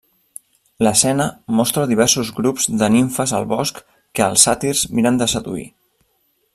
L'escena mostra diversos grups de nimfes al bosc que els sàtirs miren de seduir.